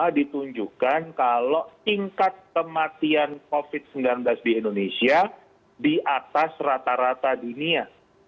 ini juga ditunjukkan kalau tingkat kematian covid sembilan belas di indonesia di atas rata rata di nia